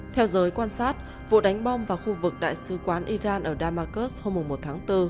theo giới quan sát vụ đánh bom vào khu vực đại sứ quán iran ở damascus hôm một tháng bốn